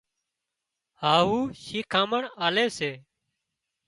هاهُو شيکامڻ آلي سي